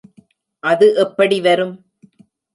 அது எப்படி வரும்?